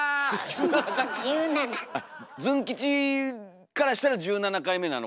あっズン吉からしたら１７回目なのかな？